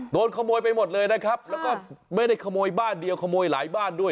โดนขโมยไปหมดเลยนะครับแล้วก็ไม่ได้ขโมยบ้านเดียวขโมยหลายบ้านด้วย